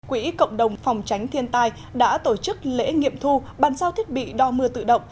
quỹ cộng đồng phòng tránh thiên tai đã tổ chức lễ nghiệm thu bàn giao thiết bị đo mưa tự động